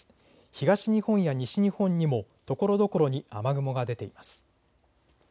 東日本や西日本にもところどころに雨雲が出ています。